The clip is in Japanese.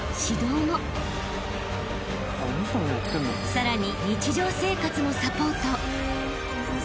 ［さらに］